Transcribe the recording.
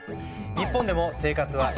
日本でも生活は一変。